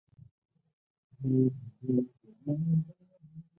双光子物理是粒子物理学中描述两个光子间相互作用的一个分支。